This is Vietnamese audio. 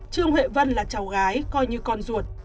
trương huệ vân là cháu gái coi như con ruột